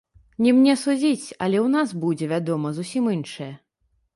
Не мне судзіць, але ў нас будзе, вядома, зусім іншае.